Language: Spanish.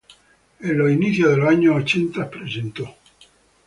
En los inicios de los años ochenta presentó.